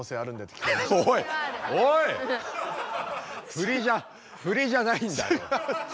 フリじゃフリじゃないんだよ。